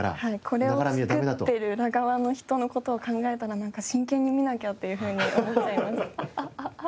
これを作っている裏側の人の事を考えたらなんか真剣に見なきゃというふうに思っちゃいます。